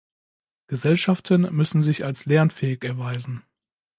Gesellschaften müssen sich als lernfähig erweisen.